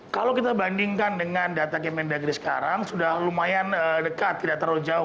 kalau kita bandingkan dengan data kemendagri sekarang sudah lumayan dekat tidak terlalu jauh